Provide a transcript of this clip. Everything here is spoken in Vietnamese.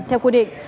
theo quy định